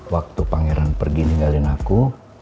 waktu pangeran pergi ninggalin aku